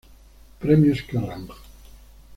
Premios Kerrang!